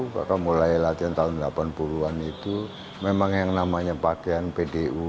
bahkan mulai latihan tahun delapan puluh an itu memang yang namanya pakaian pdu